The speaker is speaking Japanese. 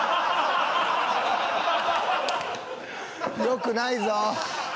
よくないぞ。